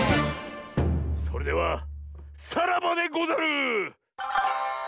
それではさらばでござる！